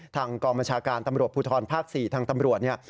ทางกองบัญชาการตำรวจภูทรภาค๔ทางตำรวจเนี่ย